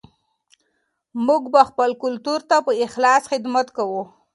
موږ به خپل کلتور ته په اخلاص خدمت کوو.